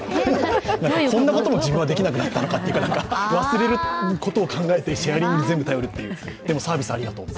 こんなことも自分はできなくなったのかっていう忘れることを前提にしてシェアリングに全部に頼るでもサービスありがとうと。